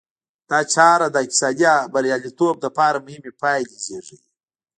دا چاره د اقتصادي بریالیتوب لپاره مهمې پایلې زېږوي.